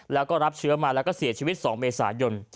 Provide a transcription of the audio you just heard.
แล้วก็รับเชื้อมาแล้วก็เสียชีวิต๒เมษายน